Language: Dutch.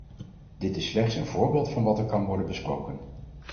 Dit is slechts een voorbeeld van wat er kan worden besproken.